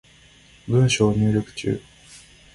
文章入力中